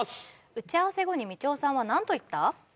打ち合わせ後にみちおさんはなんと言った？